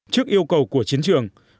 trước yêu cầu của chiến trường